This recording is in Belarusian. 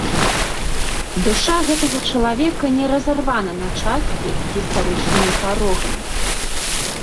Душа гэтага чалавека не разарвана на часткі гістарычнымі парогамі.